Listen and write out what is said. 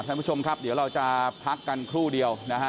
ท่านผู้ชมครับเดี๋ยวเราจะพักกันครู่เดียวนะฮะ